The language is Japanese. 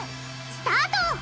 スタート！